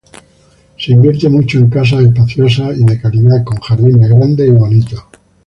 Se invierte mucho en casas espaciosas y de calidad con jardines grandes y bonitos.